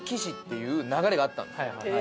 いう流れがあったんです。